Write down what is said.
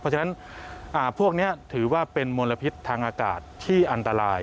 เพราะฉะนั้นพวกนี้ถือว่าเป็นมลพิษทางอากาศที่อันตราย